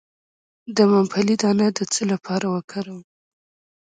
د ممپلی دانه د څه لپاره وکاروم؟